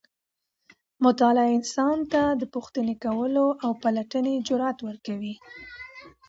مطالعه انسان ته د پوښتنې کولو او پلټنې جرئت ورکوي.